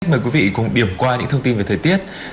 mời quý vị cùng điểm qua những thông tin về thời tiết